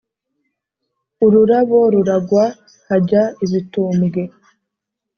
ururabo ruragwa hajya ibitumbwe,